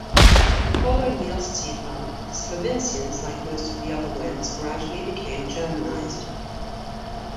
Following the Ostsiedlung, the Slovincians like most of the other Wends gradually became Germanized.